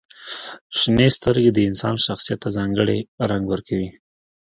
• شنې سترګې د انسان شخصیت ته ځانګړې رنګ ورکوي.